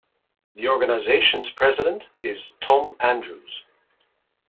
The organization's president is Tom Andrews.